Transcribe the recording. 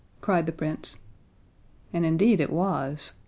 cried the Prince. And indeed it was.